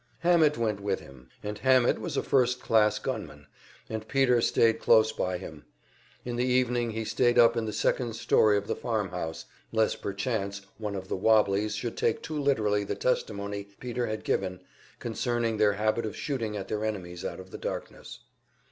Hammett went with him, and Hammett was a first class gunman, and Peter stayed close by him; in the evening he stayed up in the second story of the farm house, lest perchance one of the "wobblies" should take too literally the testimony Peter had given concerning their habit of shooting at their enemies out of the darkness.